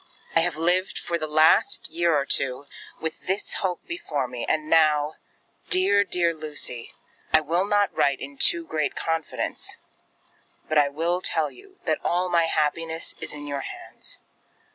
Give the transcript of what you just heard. I have lived for the last year or two with this hope before me; and now Dear, dear Lucy, I will not write in too great confidence; but I will tell you that all my happiness is in your hands.